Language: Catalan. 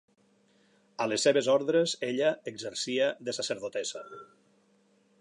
A les seves ordres, ella exercia de sacerdotessa.